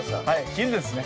昼ですね。